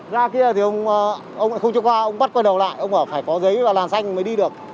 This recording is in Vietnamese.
ra kia thì ông không cho qua ông bắt quay đầu lại ông bảo phải có giấy và làm xanh mới đi được